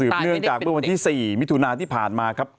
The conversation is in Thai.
เนื่องจากเมื่อวันที่๔มิถุนาที่ผ่านมาครับ